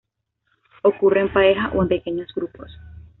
Ocurre en pareja o en pequeños grupos.